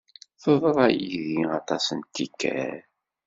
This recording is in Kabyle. Teḍra yidi aṭas n tikkal.